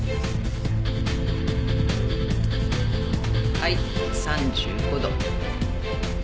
はい３５度。